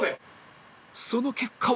その結果は